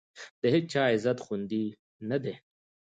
د هېچا عزت خوندي نه دی.